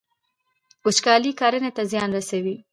وچکالي کرنې ته زیان رسوي.